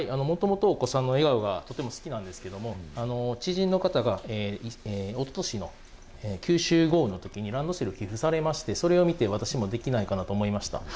もともと、お子さんの笑顔がとても好きなんですけれども、知人の方が、おととしの九州豪雨のときにランドセルを寄付されまして、それを見て、私もできないかなと思いました。